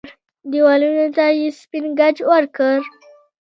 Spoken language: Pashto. دېوالونو ته يې سپين ګچ ورکړ.